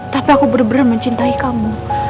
tapi aku benar benar mencintai kamu